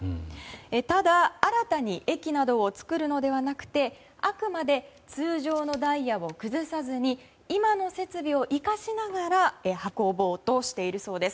ただ、新たに駅などを作るのではなくてあくまで通常のダイヤを崩さずに今の設備を生かしながら運ぼうとしているそうです。